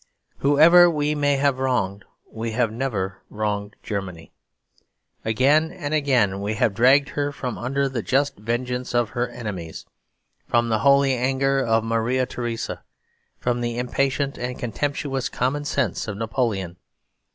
Whoever we may have wronged, we have never wronged Germany. Again and again we have dragged her from under the just vengeance of her enemies, from the holy anger of Maria Teresa, from the impatient and contemptuous common sense of Napoleon.